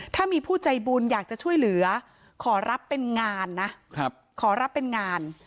ถ้ามีผู้ใจบุญอยากจะช่วยเหลือขอรับเป็นงานนะขอรับเป็นงาน